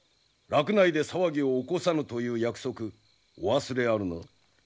洛内で騒ぎを起こさぬという約束お忘れあるな。